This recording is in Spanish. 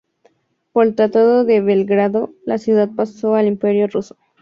Por el tratado de Belgrado la ciudad pasó al Imperio ruso.